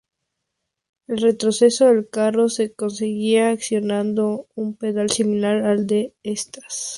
El retroceso del carro se conseguía accionando un pedal similar al de estas.